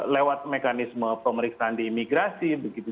lewat mekanisme pemeriksaan di imigrasi begitu